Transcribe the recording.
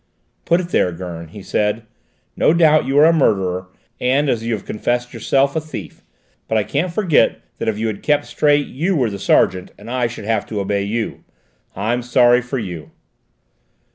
"Put it there, Gurn," he said; "no doubt you are a murderer and, as you have confessed yourself, a thief; but I can't forget that if you had kept straight, you were the sergeant and I should have had to obey you. I'm sorry for you!"